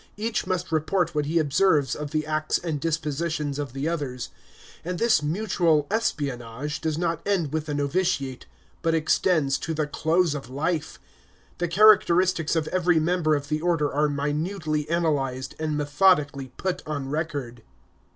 Each must report what he observes of the acts and dispositions of the others; and this mutual espionage does not end with the novitiate, but extends to the close of life. The characteristics of every member of the Order are minutely analyzed, and methodically put on record.